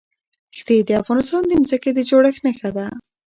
ښتې د افغانستان د ځمکې د جوړښت نښه ده.